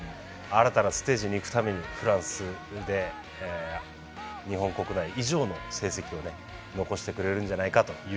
新たなステージに行くためにフランスで日本国内以上の成績をね残してくれるんじゃないかという期待はしてます。